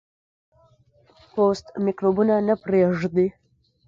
پوست میکروبونه نه پرېږدي.